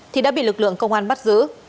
thì đã bị lực lượng công an bắt giữ